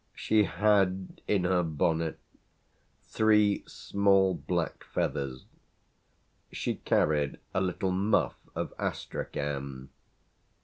She had in her bonnet three small black feathers. She carried a little muff of astrachan.